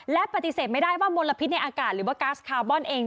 และปฏิเสธไม่ได้ว่ามลพิษในอากาศหรือว่าก๊าซคาร์บอนเอง